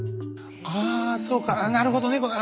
あそうかなるほど猫か。